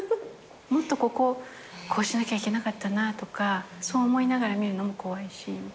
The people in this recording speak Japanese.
もっとこここうしなきゃいけなかったなとかそう思いながら見るのも怖いし。